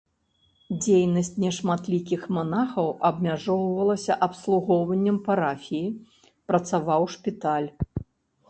Дзейнасць нешматлікіх манахаў абмяжоўвалася абслугоўваннем парафіі, працаваў шпіталь.